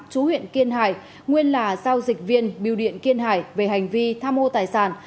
chú huyện kiên hải nguyên là giao dịch viên biêu điện kiên hải về hành vi tham ô tài sản